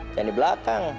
jangan di belakang